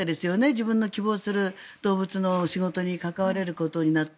自分の希望する動物の仕事に関われることになって。